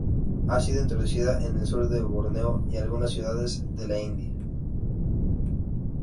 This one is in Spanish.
Ha sido introducida en el sur de Borneo y algunas ciudades de la India.